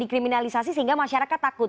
dikriminalisasi sehingga masyarakat takut